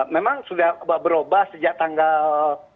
memang sudah berubah sejak tanggal